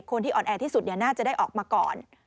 คนที่อ่อนแอที่สุดน่าจะได้ออกมาก่อน